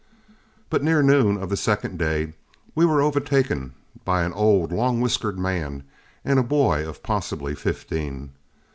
But near noon of the second day, we were overtaken by an old, long whiskered man and a boy of possibly fifteen.